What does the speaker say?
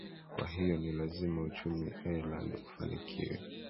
kwa hiyo ni lazima uchumi ireland ufanikiwe